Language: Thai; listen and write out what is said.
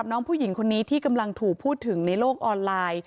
น้องผู้หญิงคนนี้ที่กำลังถูกพูดถึงในโลกออนไลน์